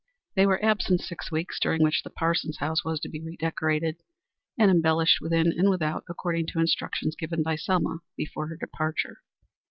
They were absent six weeks, during which the Parsons house was to be redecorated and embellished within and without according to instructions given by Selma before her departure.